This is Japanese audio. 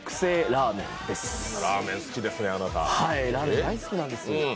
ラーメン大好きなんです。